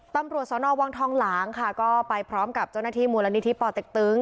ตำรวจสนวังทองหลางค่ะก็ไปพร้อมกับเจ้าหน้าที่มูลนิธิป่อเต็กตึง